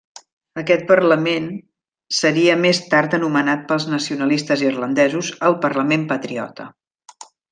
Aquest parlament seria més tard anomenat pels nacionalistes irlandesos el Parlament Patriota.